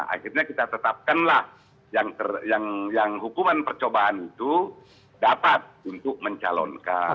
akhirnya kita tetapkanlah yang hukuman percobaan itu dapat untuk mencalonkan